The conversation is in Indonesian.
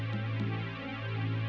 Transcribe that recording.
oh itu orangnya